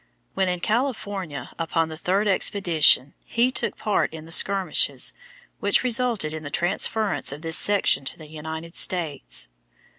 When in California upon the third expedition he took part in the skirmishes which resulted in the transference of this section to the United States.